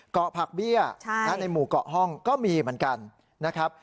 เกาะผักเบี้ยและในหมู่เกาะห้องก็มีเหมือนกัน